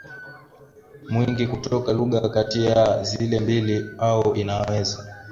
mwingi kutoka lugha katiya zile mbili au inaweza